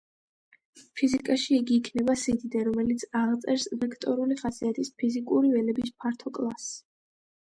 ფიზიკაში იგი იქნება სიდიდე, რომელიც აღწერს ვექტორული ხასიათის ფიზიკური ველების ფართო კლასს.